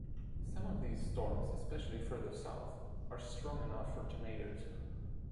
Some of these storms, especially further south, are strong enough for tornadoes.